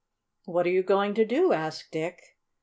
"What are you going to do?" asked Dick.